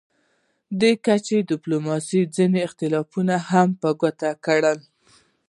دې کچې ډیپلوماسي ځینې اختلافونه هم په ګوته کړل